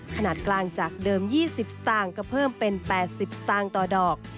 ขนาดกลางจากเดิม๒๐สตางค์ก็เพิ่มเป็น๘๐สตางค์ต่อดอก